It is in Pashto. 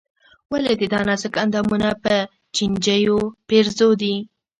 ولې دې دا نازک اندامونه په چينجيو پېرزو دي.